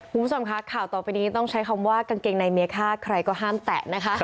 คุณผู้ชมคะข่าวต่อไปนี้ต้องใช้คำว่ากางเกงในเมียฆ่าใครก็ห้ามแตะนะคะ